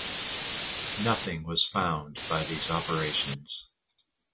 Nothing was found by these operations.